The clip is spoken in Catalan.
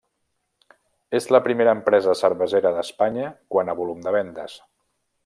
És la primera empresa cervesera d'Espanya quant a volum de vendes.